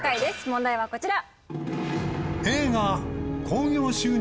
問題はこちら。